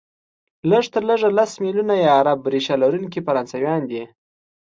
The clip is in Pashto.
لږ تر لږه لس ملیونه یې عرب ریشه لرونکي فرانسویان دي،